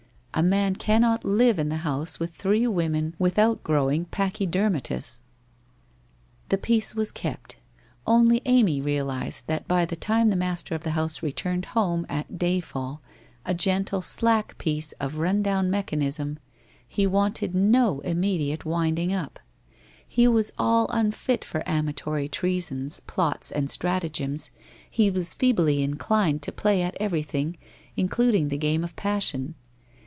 ' A man cannot live in the house with three women with out growing pachydermatous !' The peace was kept. Only Amy realized that by the time the master of the house returned home at day fall, a gentle slack piece of run down mechanism, he wanted no imme diate winding up. He was all unfit for amatory treasons, plots and stratagems, he was feebly inclined to play at every thing, including the game of passion.